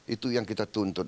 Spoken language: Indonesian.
itu yang kita tuntut